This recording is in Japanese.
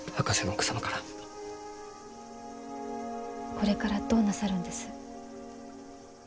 これからどうなさるんです？